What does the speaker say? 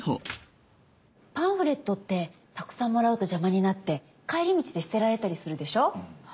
パンフレットってたくさんもらうと邪魔になって帰り道で捨てられたりするでしょ。